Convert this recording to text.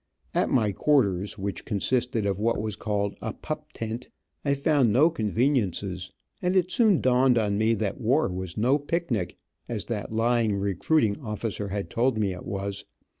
At my quarters, which consisted of what was called a pup tent, I found no conveniences, and it soon dawned on me that war was no picnic, as that lying recruiting officers had told me it was.